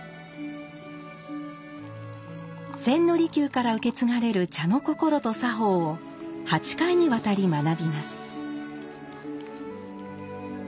千利休から受け継がれる茶の心と作法を８回にわたり学びます。